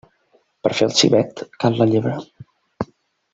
Per fer el civet, cal la llebre.